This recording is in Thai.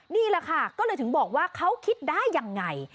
นี่แหละค่ะก็เลยถึงบอกว่าเขาคิดได้ยังไง